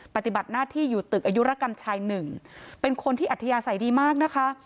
ปฏิบัติหน้าที่อยู่ตึกอายุรกรรมชายหนึ่งเป็นคนที่อัธยาศัยดีมากนะคะ